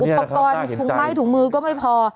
อุปกรณ์ถุงไม้ถุงมือก็ไม่พอ